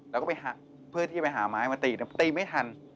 แล้วก็ไปเพื่อที่ไปหาไม้มาตีแต่ตีไม่ทัน